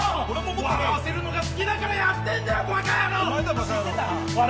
笑わせるのが好きだからやってんだよ、ばか野郎！